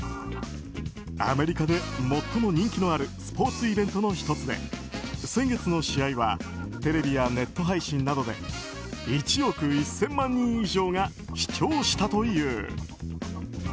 アメリカで最も人気のあるスポーツイベントの１つで先月の試合はテレビやネット配信などで１億１０００万人以上が視聴したという。